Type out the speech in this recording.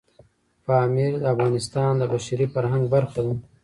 پامیر د افغانستان د بشري فرهنګ برخه ده.